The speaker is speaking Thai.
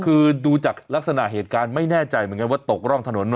คือดูจากลักษณะเหตุการณ์ไม่แน่ใจเหมือนกันว่าตกร่องถนน